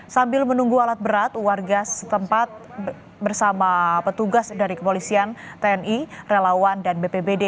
sambil menunggu alat berat warga setempat bersama petugas dari kepolisian tni relawan dan bpbd